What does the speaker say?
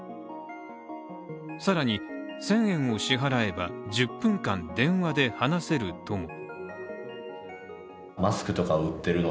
更に１０００円を支払えば１０分間、電話で話せるとも。